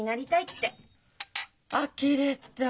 あきれた！